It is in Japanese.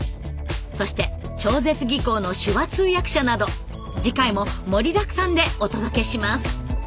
そして超絶技巧の手話通訳者など次回も盛りだくさんでお届けします。